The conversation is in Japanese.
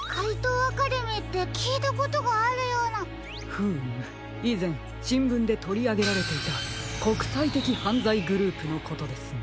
フームいぜんしんぶんでとりあげられていたこくさいてきはんざいグループのことですね。